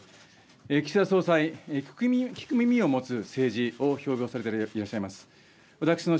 岸田総裁聞く耳を持つ政治を掲げていらっしゃいます。